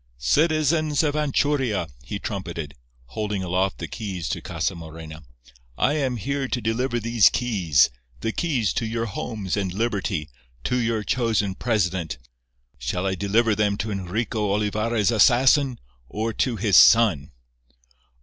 "Citizens of Anchuria," he trumpeted, holding aloft the keys to Casa Morena, "I am here to deliver these keys—the keys to your homes and liberty—to your chosen president. Shall I deliver them to Enrico Olivarra's assassin, or to his son?"